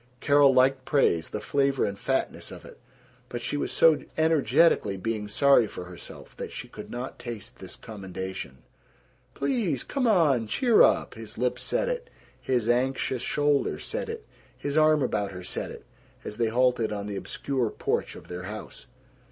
Carol liked praise, the flavor and fatness of it, but she was so energetically being sorry for herself that she could not taste this commendation. "Please! Come on! Cheer up!" His lips said it, his anxious shoulder said it, his arm about her said it, as they halted on the obscure porch of their house.